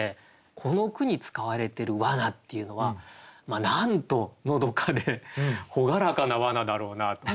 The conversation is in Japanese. この句に使われてる「罠」っていうのはなんとのどかで朗らかな罠だろうなと。